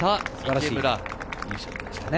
いいショットでしたね。